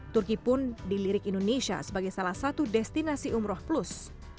turki pun dilirik indonesia sebagai salah satu destinasi umroh plus